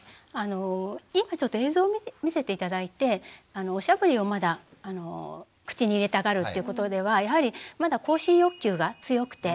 今ちょっと映像を見せて頂いておしゃぶりをまだ口に入れたがるということではやはりまだ口唇欲求が強くて。